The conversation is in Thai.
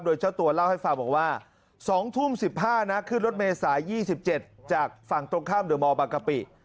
โดยเจ้าตัวเล่าให้ฟังบอกว่า๒ทุ่ม๑๕นะขึ้นรถเมษา๒๗จากฝั่งตรงข้ามเดอร์มบางกะปิ